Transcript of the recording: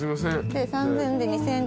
３，０００で２，０００円